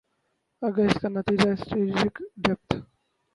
اگر اس کا نتیجہ سٹریٹجک ڈیپتھ